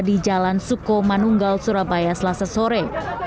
di jalan suko manunggal surabaya selasa sore